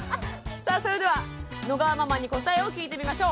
さあそれでは野川ママに答えを聞いてみましょう。